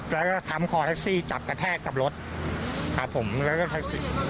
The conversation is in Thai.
แล้วก็ค้ำคอแท็กซี่จับกระแทกกับรถครับผมแล้วก็แท็กซี่